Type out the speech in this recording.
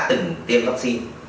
từng tiêm vắc xin